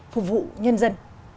phục vụ nhân dân